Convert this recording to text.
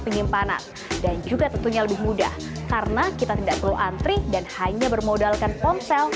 penyimpanan dan juga tentunya lebih mudah karena kita tidak perlu antri dan hanya bermodalkan ponsel